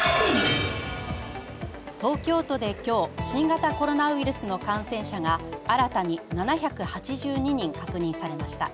東京都で今日新型コロナウイルスの感染者が新たに７８２人確認されました。